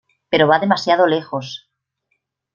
Pero va demasiado lejos.